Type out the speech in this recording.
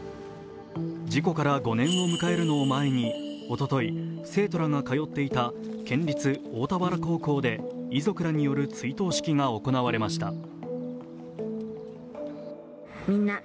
事故から５年を迎えるのを前におととい、生徒らが通っていた県立大田原高校で、遺族らによる追悼式が行われました。